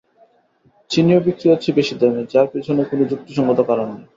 চিনিও বিক্রি হচ্ছে বেশি দামে, যার পেছনে কোনো যুক্তিসংগত কারণ নেই।